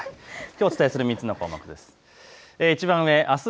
きょうお伝えする３つの項目です。